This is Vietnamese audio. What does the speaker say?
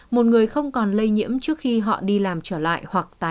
một người không còn lây nhiễm trước khi họ đi làm trở lại